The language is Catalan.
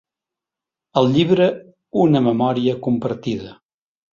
El llibre Una memòria compartida.